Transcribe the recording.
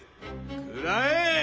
くらえ！